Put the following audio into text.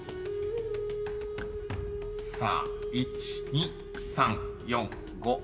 ［さあ１２３４５６］